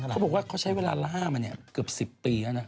เขาบอกว่าเขาใช้เวลาล่ามาเนี่ยเกือบ๑๐ปีแล้วนะ